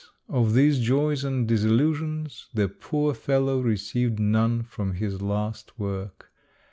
of these joys and disillusions the poor fellow received none from his last work.